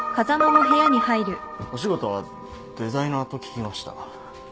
お仕事はデザイナーと聞きました。